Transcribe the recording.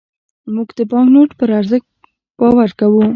موږ د بانکنوټ پر ارزښت باور کوو.